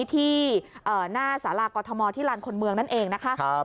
ที่หน้าสารากรทมที่ลานคนเมืองนั่นเองนะคะ